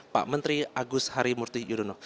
pak menteri agus harimurti yudhoyono